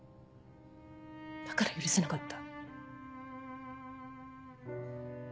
だから許せなかった。